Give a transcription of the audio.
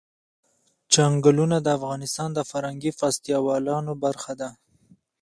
چنګلونه د افغانستان د فرهنګي فستیوالونو برخه ده.